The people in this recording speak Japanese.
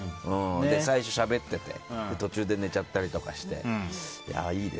最初しゃべってて途中で寝ちゃったりとかして。